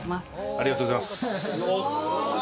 ありがとうございます。